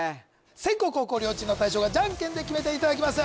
先攻後攻を両チームの大将がジャンケンで決めていただきます